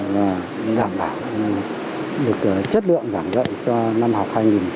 là đảm bảo được chất lượng giảng dạy cho năm học hai nghìn hai mươi một hai nghìn hai mươi hai